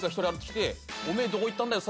おめえどこ行ったんだよ？